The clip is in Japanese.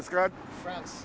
フランス。